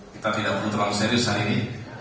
kita tidak perlu terlalu serius hari ini